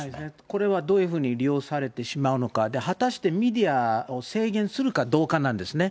これはどういうふうに利用されてしまうのか、果たしてメディアを制限するかどうかなんですね。